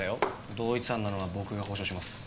同一犯なのは僕が保証します。